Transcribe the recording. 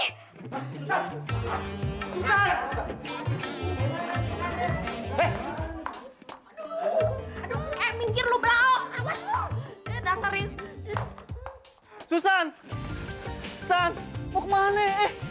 hah susah susah susah susah susah